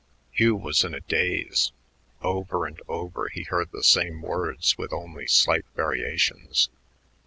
Hugh was in a daze. Over and over he heard the same words with only slight variations.